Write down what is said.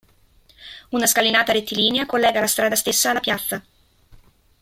Una scalinata rettilinea collega la strada stessa alla piazza.